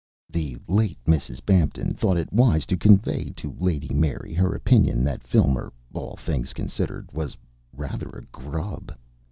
The late Mrs. Bampton thought it wise to convey to Lady Mary her opinion that Filmer, all things considered, was rather a "grub."